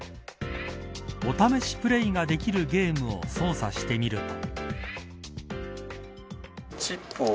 お試しプレイができるゲームを操作してみると。